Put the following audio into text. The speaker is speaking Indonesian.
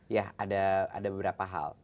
ya ada beberapa hal